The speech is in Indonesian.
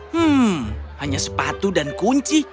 hmm hanya sepatu dan kunci